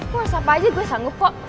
ya tentu aja gue sanggup kok